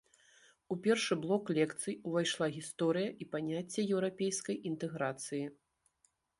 У першы блок лекцый увайшла гісторыя і паняцце еўрапейскай інтэграцыі.